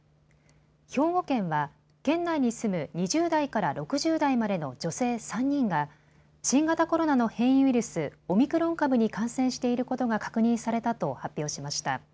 兵庫県は県内に住む２０代から６０代までの女性３人が新型コロナの変異ウイルス、オミクロン株に感染していることが確認されたと発表しました。